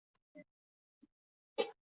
恐吓软体是一种商业性质的软体。